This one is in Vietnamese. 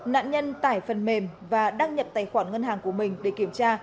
nạn nhân tải phần mềm và đăng nhập tài khoản ngân hàng của mình để kiểm tra